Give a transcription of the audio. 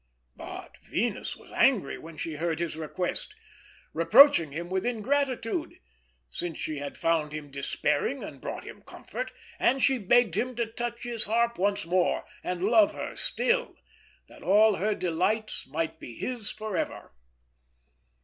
But Venus was angry when she heard his request, reproaching him with ingratitude, since she had found him despairing, and brought him comfort; and she begged him to touch his harp once more, and love her still, that all her delights might be his for ever.